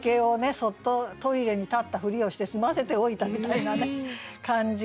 そっとトイレに立ったふりをして済ませておいたみたいな感じが。